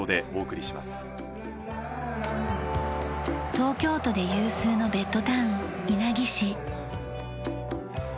東京都で有数のベッドタウン稲城市。